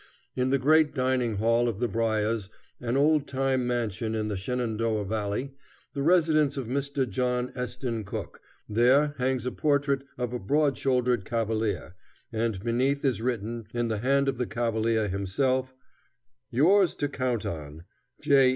In the great dining hall of the Briars, an old time mansion in the Shenandoah Valley, the residence of Mr. John Esten Cooke, there hangs a portrait of a broad shouldered cavalier, and beneath is written, in the hand of the cavalier himself, "Yours to count on, J.